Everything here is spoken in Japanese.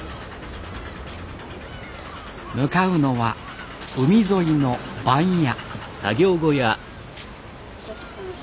向かうのは海沿いの番屋。